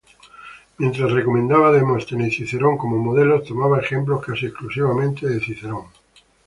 Mientras recomendaba a Demóstenes y Cicerón como modelos, tomaba ejemplos casi exclusivamente de Cicerón.